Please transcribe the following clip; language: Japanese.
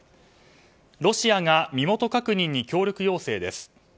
ロシアが身元確認に協力要請です。